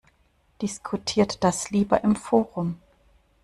Diskutiert das lieber im Forum!